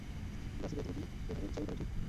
গ্রাছিলিয়া তুমি কি এভাবেই উচ্চারণ কর, ঠিক?